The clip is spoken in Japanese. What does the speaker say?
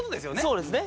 そうですね。